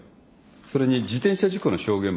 それに自転車事故の証言もあります。